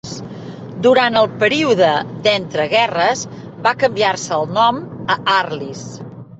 Durant el període d'entreguerres, va canviar-se el nom a "Arlis".